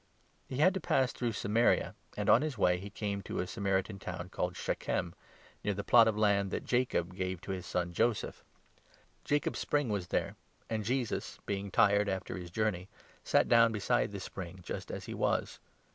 He had to pass through 4 Samaria, and, on his way, he came to a Samaritan town called 5 Shechem, near the plot of land that Jacob gave to his son Joseph. Jacob's Spring was there, and Jesus, being tired after 6 his journey, sat down beside the spring, just as he was.